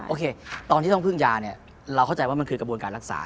โอเคตอนที่ต้องพึ่งยาเนี่ยเราเข้าใจว่ามันคือกระบวนการรักษา